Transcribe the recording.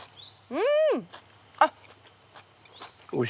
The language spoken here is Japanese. うん。